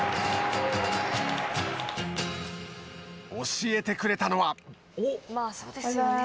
教えてくれたのは。